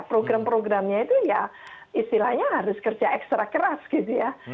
program programnya itu ya istilahnya harus kerja ekstra keras gitu ya